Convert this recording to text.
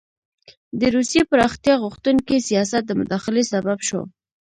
د روسیې پراختیا غوښتونکي سیاست د مداخلې سبب شو.